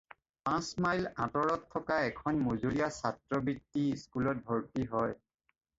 পাঁচ মাইল আঁতৰত থকা এখন মজলীয়া ছাত্ৰবৃত্তি স্কুলত ভৰ্তি হয়।